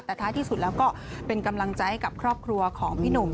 แต่ท้ายที่สุดแล้วก็เป็นกำลังใจให้กับครอบครัวของพี่หนุ่ม